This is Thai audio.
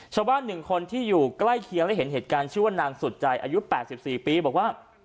ชาวบ้าน๑คนที่อยู่ใกล้เคียงและเห็นเหตุการณ์ชื่อว่านางสุดใจอายุ๘๔ปีบอกว่า